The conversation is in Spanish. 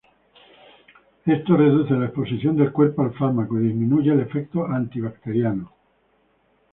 Esto reduce la exposición del cuerpo al fármaco y disminuye el efecto antibacteriano.